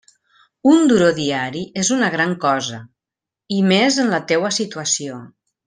Un duro diari és una gran cosa, i més en la teua situació.